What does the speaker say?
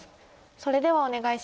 それではお願いします。